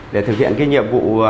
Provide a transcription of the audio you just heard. để thực hiện cái nhiệm vụ